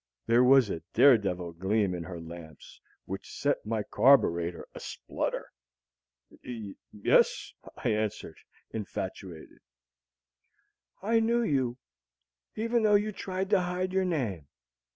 There was a daredevil gleam in her lamps which set my carbureter a splutter. "Yes," I answered, infatuated. "I knew you, even though you tried to hide your name.